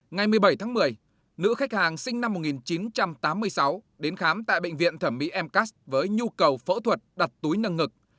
ngày một mươi bảy tháng một mươi nữ khách hàng sinh năm một nghìn chín trăm tám mươi sáu đến khám tại bệnh viện thẩm mỹ mcas với nhu cầu phẫu thuật đặt túi nâng ngực